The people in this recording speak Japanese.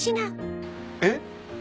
えっ？